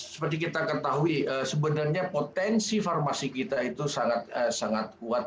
seperti kita ketahui sebenarnya potensi farmasi kita itu sangat kuat